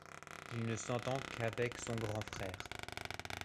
Il ne s'entend qu'avec son grand frère.